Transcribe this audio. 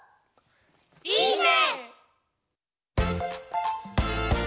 いいね！